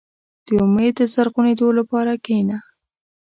• د امید د زرغونېدو لپاره کښېنه.